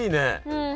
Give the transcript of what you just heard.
うん。